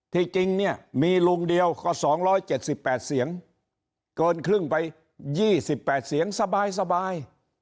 จริงเนี่ยมีลุงเดียวก็๒๗๘เสียงเกินครึ่งไป๒๘เสียงสบาย